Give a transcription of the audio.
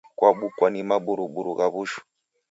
Kobukwa ni maburuburu gha w'ushu